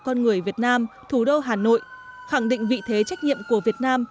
con người việt nam thủ đô hà nội khẳng định vị thế trách nhiệm của việt nam